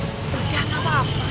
udah gak apa apa